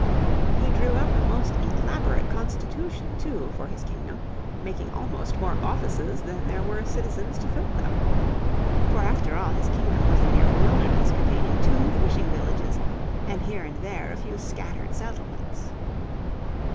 He drew up a most elaborate constitution, too, for his kingdom, making almost more offices than there were citizens to fill them. For, after all, his kingdom was a mere wilderness containing two fishing villages and here and there a few scattered settlements.